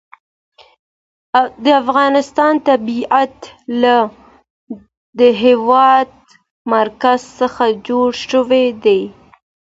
د افغانستان طبیعت له د هېواد مرکز څخه جوړ شوی دی.